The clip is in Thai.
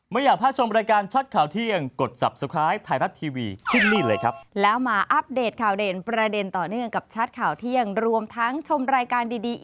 ถูกต้องครับขอบคุณนะคะ